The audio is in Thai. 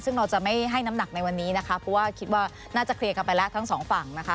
ซึ่งเราจะไม่ให้น้ำหนักในวันนี้นะคะเพราะว่าคิดว่าน่าจะเคลียร์กันไปแล้วทั้งสองฝั่งนะคะ